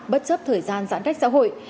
bất chấp thời gian giãn cách xã hội